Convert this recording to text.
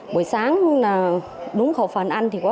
buổi sáng đúng khẩu phần ăn thì có